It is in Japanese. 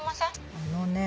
あのね。